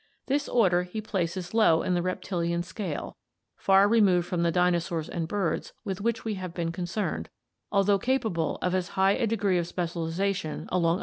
This order he places low in the reptilian scale, far removed from the di nosaurs and birds with which we have been concerned, al though capable of as high a degree Of Specialization along Fig.